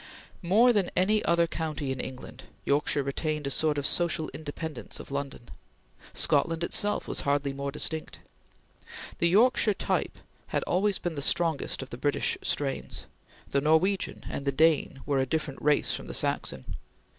More than any other county in England, Yorkshire retained a sort of social independence of London. Scotland itself was hardly more distinct. The Yorkshire type had always been the strongest of the British strains; the Norwegian and the Dane were a different race from the Saxon.